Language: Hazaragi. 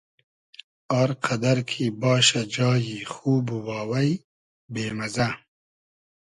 آر قئدئر کی باشۂ جایی خوب و واوݷ بې مئزۂ